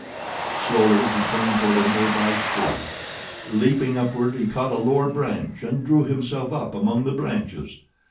Slowly he turned toward a nearby tree. Leaping upward he caught a lower branch and drew himself up among the branches.